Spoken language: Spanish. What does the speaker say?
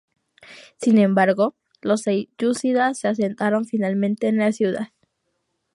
Sin embargo, los selyúcidas se asentaron finalmente en la ciudad.